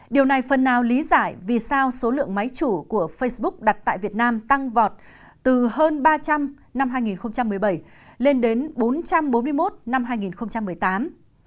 điều này phần nào lý giải vì sao số lượng máy chủ của facebook đặt tại việt nam tăng vọt từ hơn ba trăm linh năm hai nghìn một mươi bảy lên đến bốn trăm bốn mươi một năm hai nghìn một mươi tám